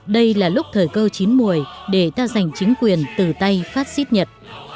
đây là lúc thời cơ chín mùi để ta giành chính quyền từ tay phát xít nhật